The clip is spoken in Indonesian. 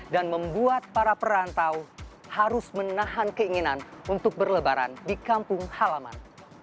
dan membuat para perantau harus menahan keinginan untuk berlebaran di kampung halaman